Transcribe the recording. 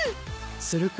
するか